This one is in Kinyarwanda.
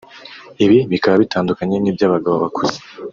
ibi bikaba bitandukanye n’iby’abagabo bakuze